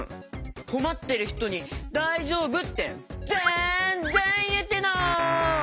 こまってるひとに「だいじょうぶ？」ってぜんぜんいえてない！